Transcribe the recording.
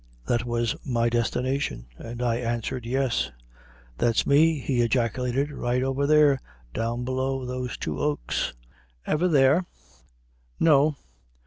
That was my destination, and I answered, "Yes." "That's me," he ejaculated. "Right over there, down below those two oaks! Ever there?" "No."